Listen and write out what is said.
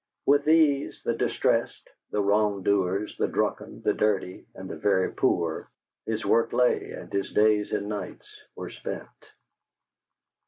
With these, the distressed, the wrong doers, the drunken, the dirty, and the very poor, his work lay and his days and nights were spent.